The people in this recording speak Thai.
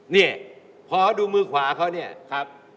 นี่พอดูมือขวาเขาเนี่ยครับ